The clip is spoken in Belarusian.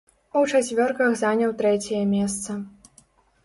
У чацвёрках заняў трэцяе месца.